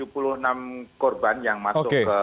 korban yang masuk ke